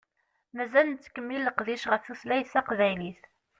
Mazal nettkemmil leqdic ɣef tutlayt taqbaylit.